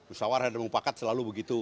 usaha warga dan umpakat selalu begitu